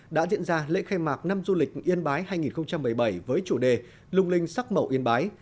đã diễn ra lễ khai mạc năm du lịch yên bái hai nghìn một mươi bảy với chủ đề lung linh sắc màu yên bái